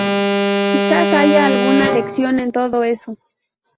Quizás haya alguna lección en todo eso.